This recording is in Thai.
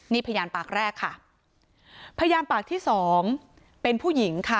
นี่พยานปากแรกค่ะพยานปากที่สองเป็นผู้หญิงค่ะ